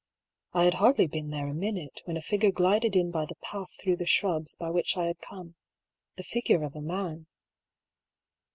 I had hardly been there a minute, when a figure glided in by the path through the shrubs by which I had come — ^the figure of a man.